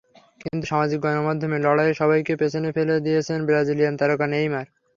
কিন্তু সামাজিক গণমাধ্যমের লড়াইয়ে সবাইকেই পেছনে ফেলে দিয়েছেন ব্রাজিলিয়ান তারকা নেইমার।